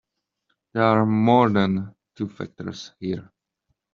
There are more than two factors here.